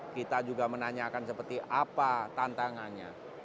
kita juga menanyakan seperti apa tantangannya